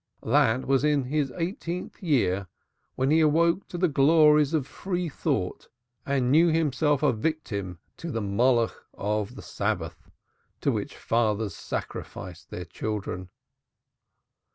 That was in his eighteenth year when he awoke to the glories of free thought, and knew himself a victim to the Moloch of the Sabbath, to which fathers sacrifice their children.